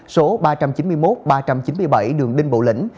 số ba trăm chín mươi một ba trăm chín mươi bảy đường đinh bộ lĩnh